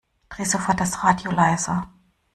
Dreh sofort das Radio leiser